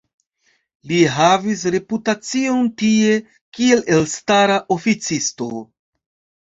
Li havis reputacion tie kiel elstara oficisto.